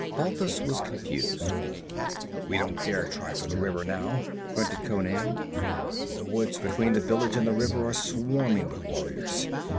Balthus was confused. 'We don't dare try for the river now,' grunted Conan. 'The woods between the village and the river are swarming with warriors.